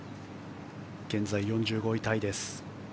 現在、４５位タイです。